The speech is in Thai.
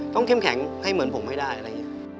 ต้องเข้มแข็งให้เหมือนผมให้ได้